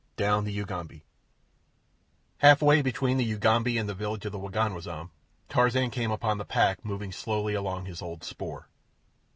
Down the Ugambi Halfway between the Ugambi and the village of the Waganwazam, Tarzan came upon the pack moving slowly along his old spoor.